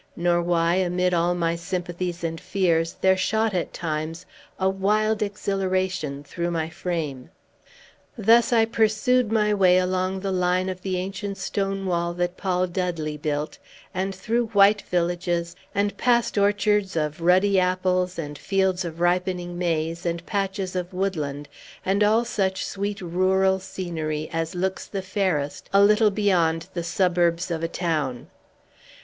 Nor why, amid all my sympathies and fears, there shot, at times, a wild exhilaration through my frame. Thus I pursued my way along the line of the ancient stone wall that Paul Dudley built, and through white villages, and past orchards of ruddy apples, and fields of ripening maize, and patches of woodland, and all such sweet rural scenery as looks the fairest, a little beyond the suburbs of a town.